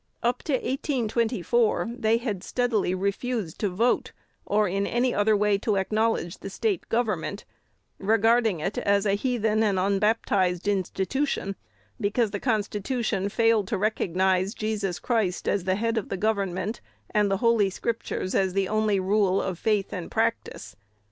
Up to 1824 they had steadily refused to vote, or in any other way to acknowledge the State government, regarding it as "an heathen and unbaptized institution," because the Constitution failed to recognize "Jesus Christ as the head of the government, and the Holy Scriptures as the only rule of faith and practice."